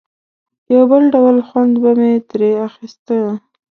یو بل ډول خوند به مې ترې اخیسته.